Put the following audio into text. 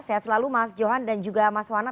sehat selalu mas johan dan juga mas wana